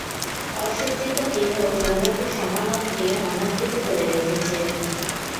অসজ্জিত দেহ যৌবনের সমাগমকে অনাদৃত করে রেখেছে।